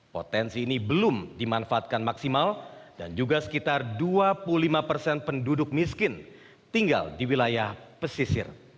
potensi ini belum dimanfaatkan maksimal dan juga sekitar dua puluh lima persen penduduk miskin tinggal di wilayah pesisir